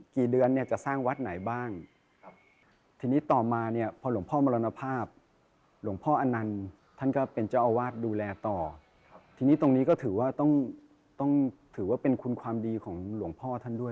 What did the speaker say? เดือนเนี่ยจะสร้างวัดไหนบ้างครับทีนี้ต่อมาเนี่ยพอหลวงพ่อมรณภาพหลวงพ่ออนันต์ท่านก็เป็นเจ้าอาวาสดูแลต่อทีนี้ตรงนี้ก็ถือว่าต้องต้องถือว่าเป็นคุณความดีของหลวงพ่อท่านด้วย